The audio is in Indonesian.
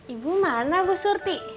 ibu mana bu surti